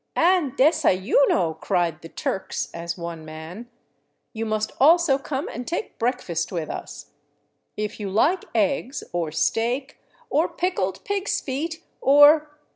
..." And desayuno !" cried the " Turks " as one man, " You must also come and take breakfast with us. If you like eggs, or steak, or pickled pigs' feet, or